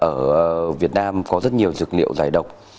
ở việt nam có rất nhiều dược liệu giải độc